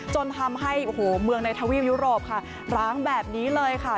จนทำให้โอ้โหเมืองในทวีปยุโรปค่ะร้างแบบนี้เลยค่ะ